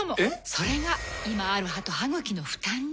それが今ある歯と歯ぐきの負担に。